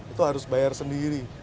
itu harus bayar sendiri